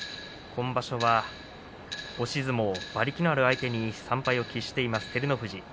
今場所は、押し相撲馬力のある相手に３敗を喫している照ノ富士。